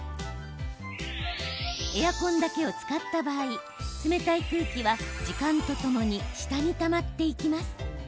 エアコンだけを使った場合冷たい空気は、時間とともに下にたまっていきます。